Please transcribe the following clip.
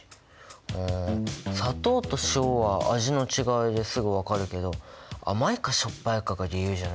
あ砂糖と塩は味の違いですぐ分かるけど甘いかしょっぱいかが理由じゃないもんなあ。